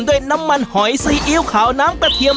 ด้วยน้ำมันหอยซีอิ๊วขาวน้ำกระเทียม